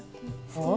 そう。